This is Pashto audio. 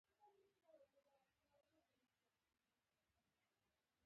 انجینر باید خپله غلطي په ښکاره ومني.